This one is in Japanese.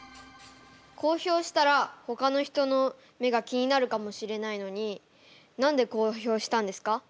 公表したらほかの人の目が気になるかもしれないのに何で公表したんですか？